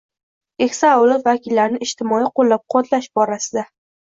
keksa avlod vakillarini ijtimoiy qo‘llab-quvvatlash borasida